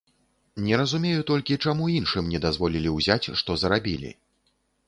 Не разумею толькі, чаму іншым не дазволілі ўзяць, што зарабілі.